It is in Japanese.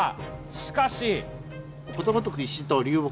しかし。